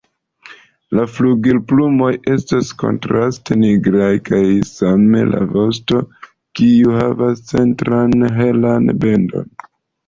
La flugilplumoj estas kontraste nigraj kaj same la vosto kiu havas centran helan bendon.